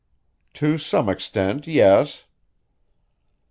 "To some extent, yes."